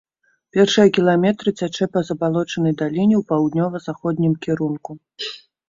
Першыя кіламетры цячэ па забалочанай даліне ў паўднёва-заходнім кірунку.